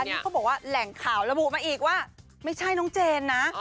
นี่เขาบอกว่าแหล่งข่าวระบุมาอีกว่าไม่ใช่น้องเจนนะ